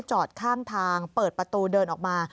จอดข้างทางเปิดประตูเดินออกมา